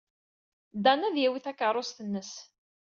Dan ad yawey takeṛṛust-nnes.